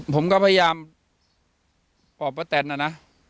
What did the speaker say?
ผมก็พยายามบอกป้าแตนนะนะ